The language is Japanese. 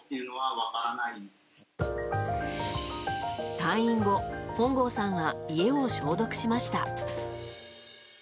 退院後、本郷さんは家を消毒しました。